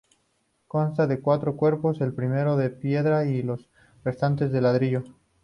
Consta de cuatro cuerpos, el primero de piedra y los restantes de ladrillo.